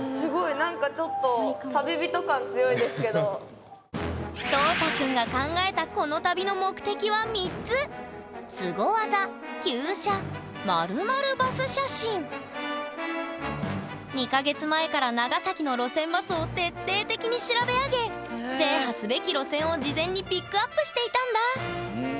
何かちょっと蒼太くんが考えたこの旅の目的は３つ２か月前から長崎の路線バスを徹底的に調べ上げ制覇すべき路線を事前にピックアップしていたんだ！